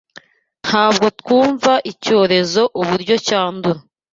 Ntabwo twumva Icyorezo uburyo cyandura.